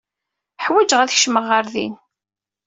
Ḥwajeɣ ad kecmeɣ ɣer din.